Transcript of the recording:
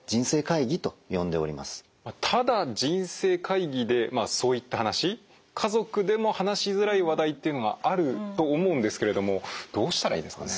ただ人生会議でそういった話家族でも話しづらい話題っていうのがあると思うんですけれどもどうしたらいいですかね？